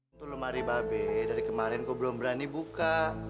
untuk lemari babe dari kemarin gue belum berani buka